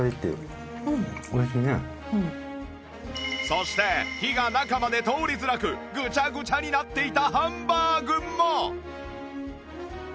そして火が中まで通りづらくグチャグチャになっていたハンバーグも